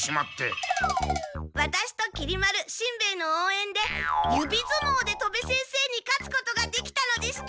ワタシときり丸しんべヱのおうえんで指ずもうで戸部先生に勝つことができたのでした。